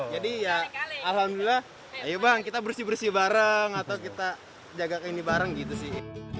jadi ya alhamdulillah ayo bang kita bersih bersih bareng atau kita jaga ini bareng gitu sih